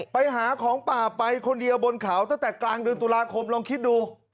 ไปหาของป่าไปคนเดียวบนเขาตั้งแต่กลางเดือนตุลาคมลองคิดดู